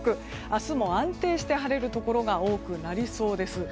明日も安定して晴れるところが多くなりそうです。